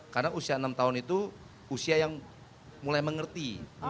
karena usia enam tahun itu usia yang mulai mengerti